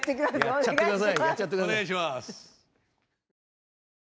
お願いします。